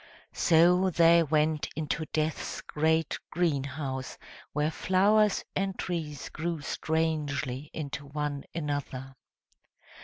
So they went into Death's great greenhouse, where flowers and trees grew strangely into one another.